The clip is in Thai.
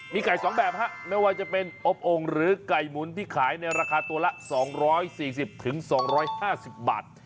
มีไก่๒แบบฮะไม่ว่าจะเป็นอบองค์หรือไก่หมุนที่ขายในราคาตัวละ๒๔๐๒๕๐บาท